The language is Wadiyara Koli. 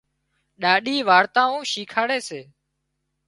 ڏاڏِي وارتائون شيکاڙي سي